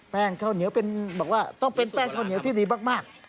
ข้าวเหนียวเป็นบอกว่าต้องเป็นแป้งข้าวเหนียวที่ดีมาก